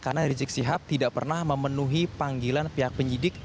karena rizik sihab tidak pernah memenuhi panggilan pihak penyidik